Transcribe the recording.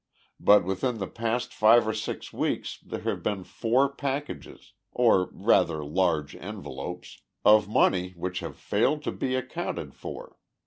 But within the past five or six weeks there have been four packages or, rather, large envelopes of money which have failed to be accounted for.